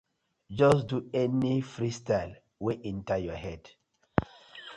Just do any freestyle wey enter yur head.